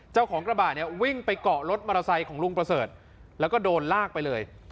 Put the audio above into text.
เจ้าของกระบะเนี่ยวิ่งไปเกาะรถมอเตอร์ไซค์ของลุงประเสริฐแล้วก็โดนลากไปเลย